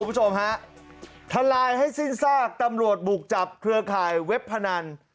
คุณผู้ชมฮะทลายให้สิ้นซากตำรวจบุกจับเครือข่ายเว็บพนัน